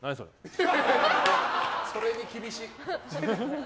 それに厳しい。